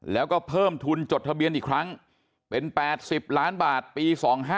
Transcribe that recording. แล้วก็เพิ่มทุนจดทะเบียนอีกครั้งเป็น๘๐ล้านบาทปี๒๕๖